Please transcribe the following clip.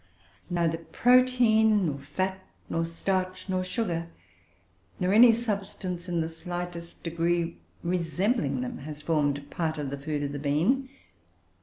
Neither protein, nor fat, nor starch, nor sugar, nor any substance in the slightest degree resembling them, has formed part of the food of the bean.